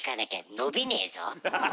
伸びねえ。